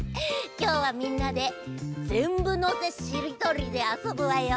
きょうはみんなで「ぜんぶのせしりとり」であそぶわよ。